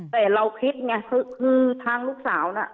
แต่เราคิดไงคือทางลูกสาวน่ะ